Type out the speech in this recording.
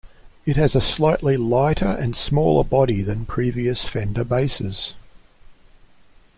It has a slightly lighter and smaller body than previous Fender basses.